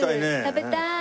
食べたい。